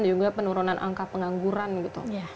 dan juga penurunan angka pengangguran gitu